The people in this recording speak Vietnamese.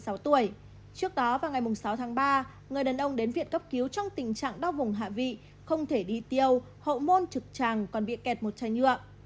trước đó vào ngày sáu tháng ba người đàn ông đến viện cấp cứu trong tình trạng đau vùng hạ vị không thể đi tiêu hậu môn trực tràng còn bị kẹt một chai nhựa